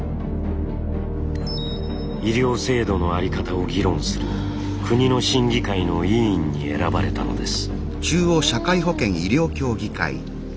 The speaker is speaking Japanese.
医療制度の在り方を議論する国の審議会の委員に選ばれたのです。